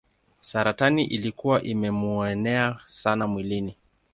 Saratani ilikuwa imemuenea sana mwilini.